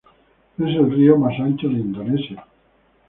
Es el río más ancho de Indonesia.